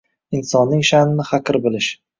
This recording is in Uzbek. insonning sha’nini haqir bilish